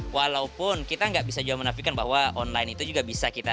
walaupun kita nggak bisa jauh menafikan bahwa online itu juga bisa kita